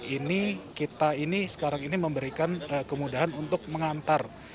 ini kita ini sekarang ini memberikan kemudahan untuk mengantar